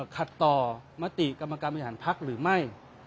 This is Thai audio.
ขัดต่อมติกรรมการบริหารพักหรือไม่